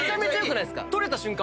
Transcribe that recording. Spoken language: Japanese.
撮れた瞬間